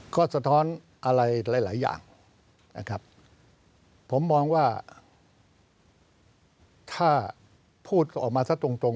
ก็สะท้อนอะไรหลายอย่างนะครับผมมองว่าถ้าพูดออกมาซะตรงตรง